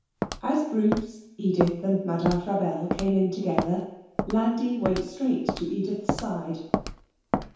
As Bruce, Edith and Madame Frabelle came in together, Landi went straight to Edith's side.